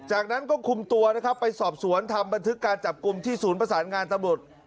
จากนั้นก็คุมตัวนะครับไปสอบสวนทำบันทึกการจับกลุ่มที่ศูนย์ประสานงานตำรวจ